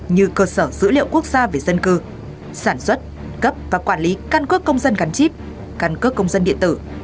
như cơ sở dữ liệu quốc gia về dân cư sản xuất cấp và quản lý căn cước công dân gắn chip căn cước công dân điện tử